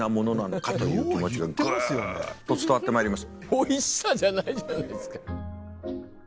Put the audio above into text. おいしさじゃないじゃないですか。